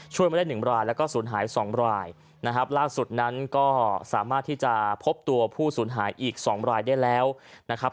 มาได้หนึ่งรายแล้วก็สูญหาย๒รายนะครับล่าสุดนั้นก็สามารถที่จะพบตัวผู้สูญหายอีก๒รายได้แล้วนะครับ